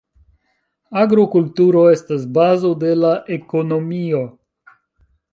Agrokulturo estas bazo de la ekonomio.